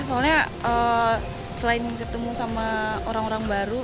soalnya selain ketemu sama orang orang baru